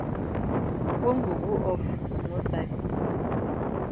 Fone go go off small time.